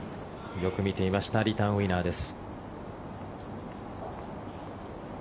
よく見ていましたリターンウィナーです。